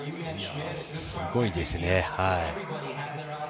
すごいですね。